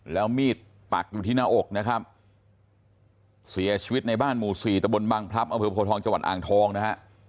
แล้วมีดปักอยู่ที่หน้าอกนะครับเสียชีวิตในบ้านหมู่สี่ตะบนบังพลับอำเภอโพทองจังหวัดอ่างทองนะฮะ